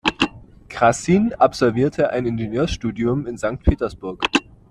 Krassin absolvierte ein Ingenieurstudium in Sankt Petersburg.